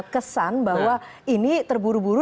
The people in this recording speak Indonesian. kesan bahwa ini terburu buru